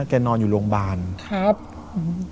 แล้วแกนอนอยู่โรงพยาบาล